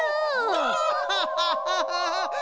アハハハ！